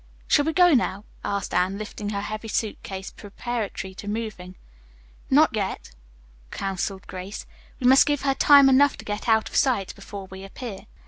"Shall we go now?" asked Anne, lifting her heavy suit case preparatory to moving. "Not yet," counseled Grace. "We must give her time enough to get out of sight before we appear."